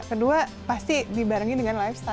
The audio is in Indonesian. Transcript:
kedua pasti dibarengi dengan lifestyle